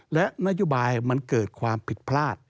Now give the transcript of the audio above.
และนโยบายมันเกิดความผิดพลาด